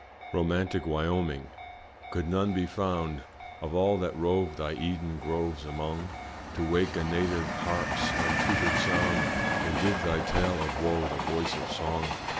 Romantic Wyoming! could none be found Of all that rove thy Eden groves among, To wake a native harp's untutored sound, And give thy tale of wo the voice of song?